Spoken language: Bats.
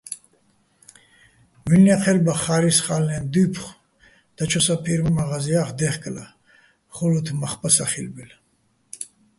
მუჲლნე́ჴელბა ხა́რისხა́ლეჼ დუ́ფხო̆ დაჩო საფირმო̆ მა́ღაზია́ხ დე́ხკლა, ხო́ლოთ მახ ბა სახილბელ.